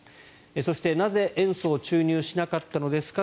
そして、なぜ塩素を注入しなかったのですか？